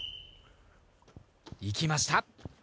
いきました。